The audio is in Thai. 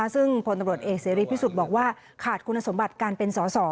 ซึ่งพลตำรวจเอกเสรีพิสุทธิ์บอกว่าขาดคุณสมบัติการเป็นสอสอ